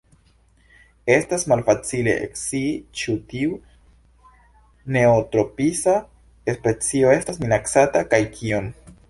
Estas malfacile scii ĉu tiu neotropisa specio estas minacata kaj kiom.